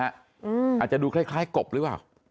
อาจจะดูคล้ายกบหรือเปล่า